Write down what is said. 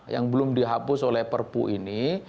yang belum dihapus oleh perpu ini